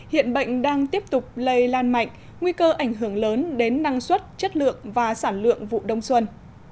hiện bệnh đang tiếp tục lây lan mạnh nguy cơ ảnh hưởng lớn đến năng suất chất lượng và sản lượng vụ đông xuân